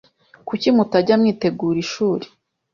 Kuki mutajya mwitegura ishuri?